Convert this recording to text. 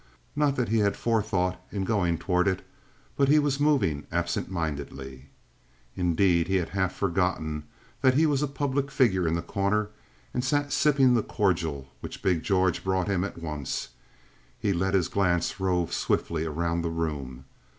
Not that he had forethought in going toward it, but he was moving absent mindedly. Indeed, he had half forgotten that he was a public figure in The Corner, and sitting sipping the cordial which big George brought him at once, he let his glance rove swiftly around the room.